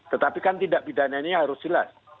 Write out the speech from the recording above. tetapi kan tidak bidanianya harus jelas